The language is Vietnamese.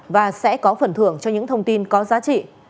và sẽ có phần thưởng cho những thông tin có giá trị